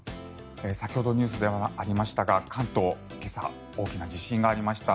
先ほどニュースでありましたが関東、今朝大きな地震がありました。